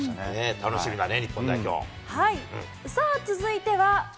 楽しみだね、日本代表。